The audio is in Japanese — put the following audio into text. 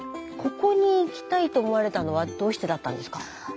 ここに行きたいと思われたのはどうしてだったんですか？